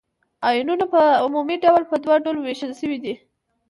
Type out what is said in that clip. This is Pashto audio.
آیونونه په عمومي ډول په دوه ډلو ویشل شوي دي.